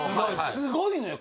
すごいのよ